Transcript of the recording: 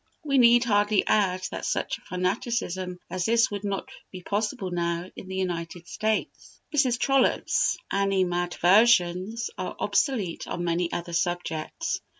We need hardly add that such fanaticism as this would not be possible now in the United States. Mrs. Trollope's animadversions are obsolete on many other subjects.